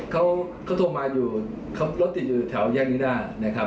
เค้าโทรมาอยู่เค้ารถติดอยู่แถวเยี่ยงนึงน่านะครับ